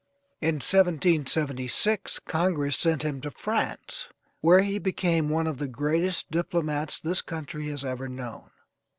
In 1776 Congress sent him to France, where he became one of the greatest diplomats this country has ever known.